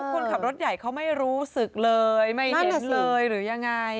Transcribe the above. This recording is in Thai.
คนขับรถใหญ่เขาไม่รู้สึกเลยไม่เห็นเลยหรือยังไง